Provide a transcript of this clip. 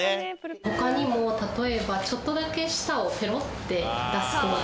他にも例えばちょっとだけ舌をペロッて出す行動。